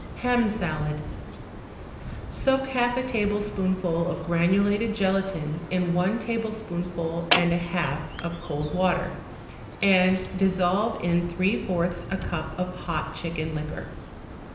=Ham Salad.= Soak half a tablespoonful of granulated gelatine in one tablespoonful and a half of cold water, and dissolve in three fourths a cup of hot chicken liquor.